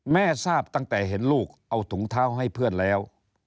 แม่ทราบตั้งแต่เห็นลูกเอาถุงเท้าให้เพื่อนแล้ว